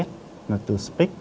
chữ s là từ speak